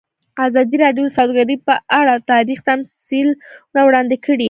ازادي راډیو د سوداګري په اړه تاریخي تمثیلونه وړاندې کړي.